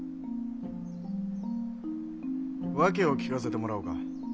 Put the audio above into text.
訳を聞かせてもらおうか。